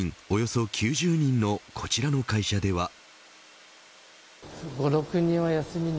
およそ９０人のこちらの会社では。